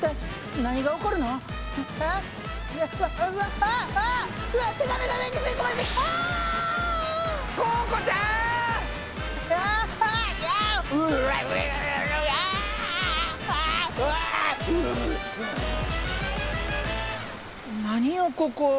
何よここ？